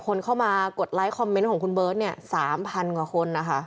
คนเข้ามากดไลค์คอมเมนต์ของคุณเบิร์ตเนี่ย๓๐๐กว่าคนนะคะ